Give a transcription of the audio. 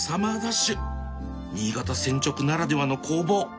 新潟千直ならではの攻防。